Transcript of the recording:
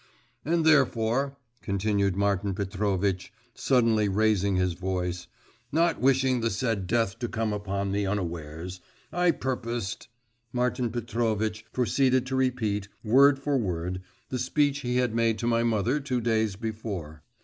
'And therefore,' continued Martin Petrovitch, suddenly raising his voice, 'not wishing the said death to come upon me unawares, I purposed …' Martin Petrovitch proceeded to repeat, word for word, the speech he had made to my mother two days before.